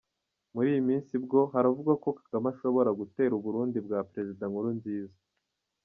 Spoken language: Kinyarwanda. Muri iyi minsi bwo, haravugwa ko Kagame ashobora gutera u Burundi bwa Président Nkurunziza!